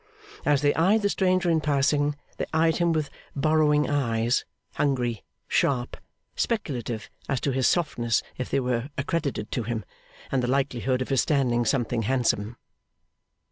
As they eyed the stranger in passing, they eyed him with borrowing eyes hungry, sharp, speculative as to his softness if they were accredited to him, and the likelihood of his standing something handsome.